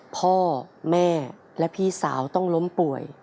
พ่อแม่และพี่สาวต้องล้มป่วย